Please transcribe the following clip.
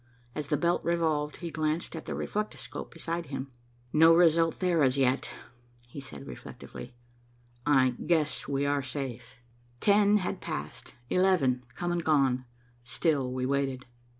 As the belt revolved, he glanced at the reflectoscope beside him. "No result there as yet," he said reflectively. "I guess we are safe." Ten had passed, eleven come and gone, still we waited.